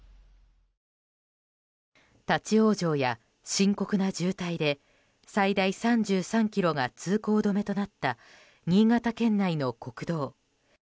立ち往生や深刻な渋滞で最大３３ｋｍが通行止めとなった新潟県内の国道。